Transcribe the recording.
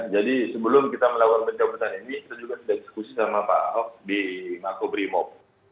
jadi sebelum kita melakukan pencabutan ini kita juga sudah diskusi sama pak aho di mako brimob